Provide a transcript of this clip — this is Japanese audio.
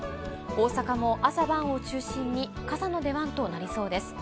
大阪も朝晩を中心に傘の出番となりそうです。